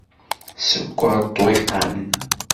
Sekkeṛ ṭṭwiqan.